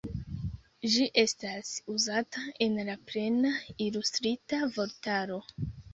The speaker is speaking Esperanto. Ĝi estas uzata en la Plena Ilustrita Vortaro.